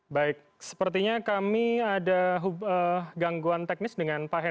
baik sepertinya kami ada gangguan teknis dengan pak heri